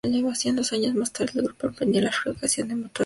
Dos años más tarde el Grupo emprendía la fabricación de los propios motores.